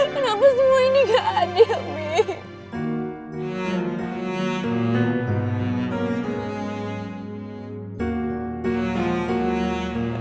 kenapa semua ini gak adil bim